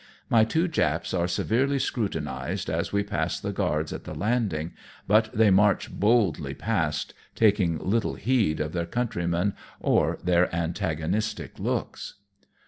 My two Japs are severely scrutinized as we pass the guards at the landing, but they march boldly past, taking little heed of their countrymen or their antagonistic looks.